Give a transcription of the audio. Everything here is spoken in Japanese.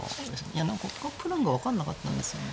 いや何かここはプランが分かんなかったんですよね。